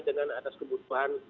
dengan atas kebutuhan